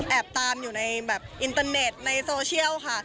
ตามอยู่ในแบบอินเตอร์เน็ตในโซเชียลค่ะ